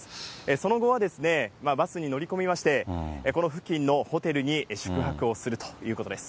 その後はバスに乗り込みまして、この付近のホテルに宿泊をするということです。